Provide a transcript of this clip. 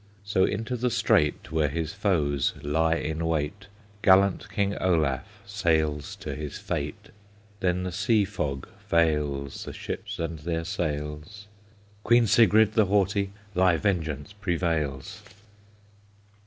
So into the strait Where his foes lie in wait, Gallant King Olaf Sails to his fate! Then the sea fog veils The ships and their sails; Queen Sigrid the Haughty, Thy vengeance prevails!